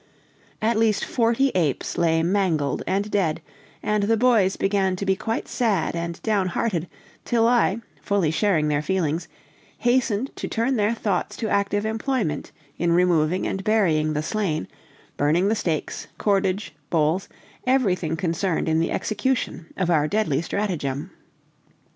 At least forty apes lay mangled and dead, and the boys began to be quite sad and down hearted, till I, fully sharing their feelings, hastened to turn their thoughts to active employment in removing and burying the slain, burning the stakes, cordage, bowls, everything concerned in the execution of our deadly stratagem.